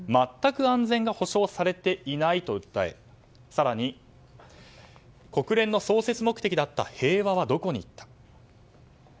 全く安全が保証されていないと訴え更に、国連の創設目的だった平和はどこにいった。